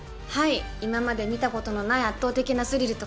今まで見たことのない圧倒的なスリルと